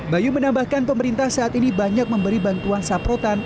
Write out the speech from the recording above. bayu menambahkan pemerintah saat ini banyak memberi bantuan saprotan